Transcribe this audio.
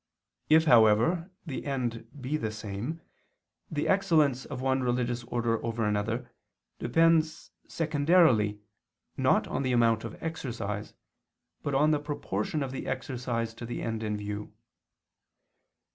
If, however, the end be the same, the excellence of one religious order over another depends secondarily, not on the amount of exercise, but on the proportion of the exercise to the end in view.